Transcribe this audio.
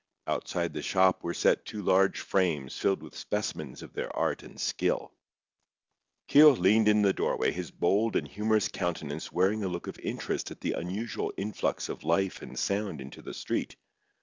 Outside the shop were set two large frames filled with specimens of their art and skill. Keogh leaned in the doorway, his bold and humorous countenance wearing a look of interest at the unusual influx of life and sound into the street.